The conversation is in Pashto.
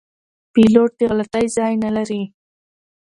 پیلوټ د غلطي ځای نه لري.